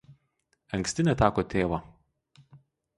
Anksti neteko tėvo.